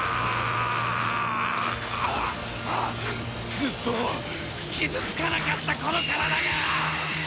ずっと傷つかなかったこの体が！